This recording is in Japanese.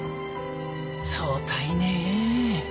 そうたいね。